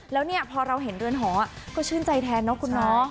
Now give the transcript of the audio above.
แล้วเนี่ยพอเราเห็นเรือนหอก็ชื่นใจแทนเนอะคุณน้อง